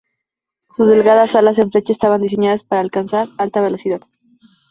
Sus delgadas alas en flecha estaban diseñadas para alcanzar alta velocidad.